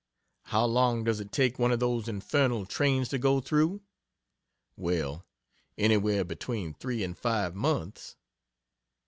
"How long does it take one of those infernal trains to go through?" Well, anywhere between three and five months.